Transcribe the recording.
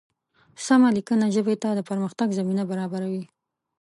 سمه لیکنه ژبې ته د پرمختګ زمینه برابروي.